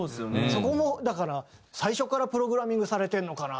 そこもだから最初からプログラミングされてるのかな。